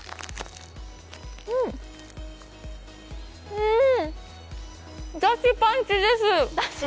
うん、だしパンチです。